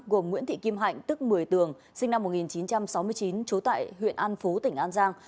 gồm nguyễn thị kim hạnh tức một mươi tường sinh năm một nghìn chín trăm sáu mươi chín trú tại huyện an phú tỉnh an giang